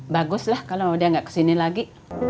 baguslah kalau udah gak kesini lagi